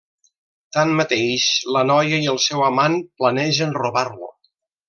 Tanmateix, la noia i el seu amant planegen robar-lo.